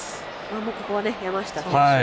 ここは山下選手